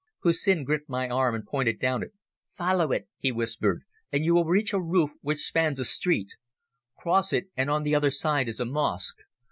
Hussin gripped my arm and pointed down it. "Follow it," he whispered, "and you will reach a roof which spans a street. Cross it, and on the other side is a mosque.